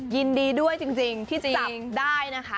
ยินดีด้วยจริงที่จับได้นะคะ